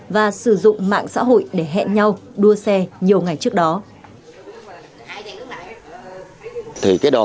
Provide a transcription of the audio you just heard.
và sử dụng mạng xã hội để hẹn nhau đua xe nhiều ngày trước đó